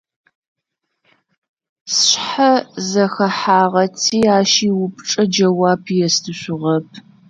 Сшъхьэ зэхэхьагъэти ащ иупчӀэ джэуап естышъугъэп.